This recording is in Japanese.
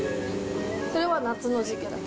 それは夏の時期だけ。